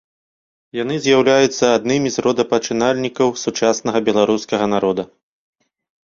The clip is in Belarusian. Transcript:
Яны з'яўляюцца аднымі з родапачынальнікаў сучаснага беларускага народа.